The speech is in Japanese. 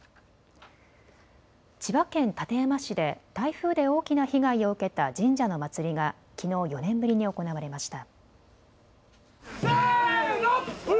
千葉県館山市で台風で大きな被害を受けた神社の祭りがきのう４年ぶりに行われました。